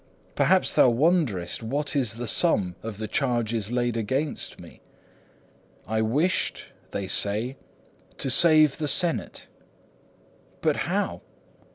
Perhaps thou wonderest what is the sum of the charges laid against me? I wished, they say, to save the senate. But how?